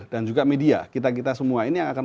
dan juga media kita kita semua ini yang akan